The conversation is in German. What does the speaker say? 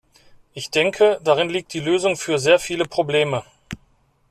Ich denke, darin liegt die Lösung für sehr viele Probleme.